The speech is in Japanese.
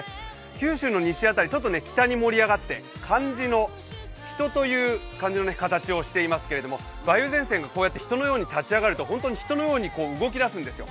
九州の西辺り、北に盛り上がって漢字の「人」の形をしてますけれど梅雨前線が人のように立ち上がると本当に人のように動き出すんですよ。